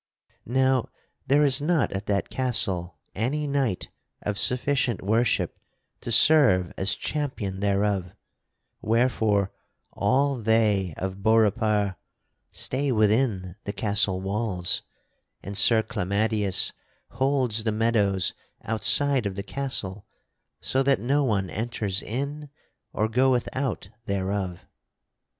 "Now there is not at that castle any knight of sufficient worship to serve as champion thereof, wherefore all they of Beaurepaire stay within the castle walls and Sir Clamadius holds the meadows outside of the castle so that no one enters in or goeth out thereof.